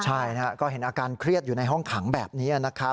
ใช่นะครับก็เห็นอาการเครียดอยู่ในห้องขังแบบนี้นะครับ